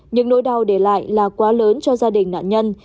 những nỗi đau để lại là quá lớn cho gia đình nạn nhân